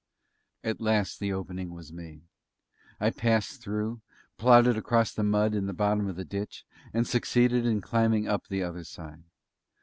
At last the opening was made. I passed through, plodded across the mud in the bottom of the ditch, and succeeded in climbing up the other side.